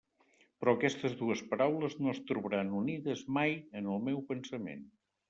Però aquestes dues paraules no es trobaran unides mai en el meu pensament.